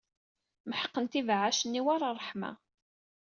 Meḥqent ibeɛɛac-nni war ṛṛeḥma.